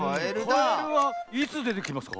カエルはいつでてきますか？